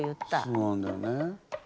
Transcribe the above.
そうなんだよね。